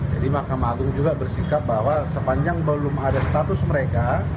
jadi mahkamah agung juga bersikap bahwa sepanjang belum ada status mereka